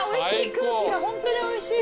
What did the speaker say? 空気がホントにおいしい。